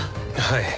はい。